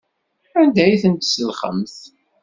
Anda ay ten-tselxemt?